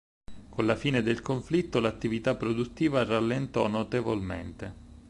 Con la fine del conflitto, l'attività produttiva rallentò notevolmente.